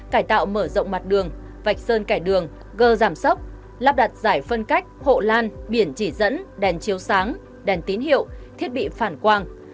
cải tạo mở rộng mặt đường vạch sơn cải đường gơ giảm sốc lắp đặt giải phân cách hộ lan biển chỉ dẫn đèn chiếu sáng đèn tín hiệu thiết bị phản quang